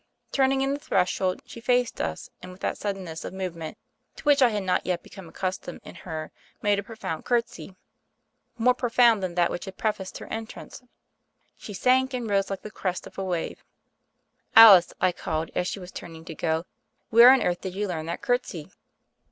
Turning in the threshold, she faced us and with that suddenness of movement, to which I had not yet become accustomed in her, made a profound curtsy — ^more profound than that which had prefaced her entrance. She "sank and rose like the crest of a wave." "Alice," I called, as she was turning to go, "where on earth did you learn that curtsy?"